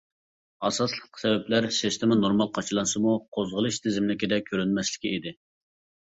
ئاساسلىق سەۋەبلەر سىستېما نورمال قاچىلانسىمۇ قوزغىلىش تىزىملىكىدە كۆرۈنمەسلىكى ئىدى.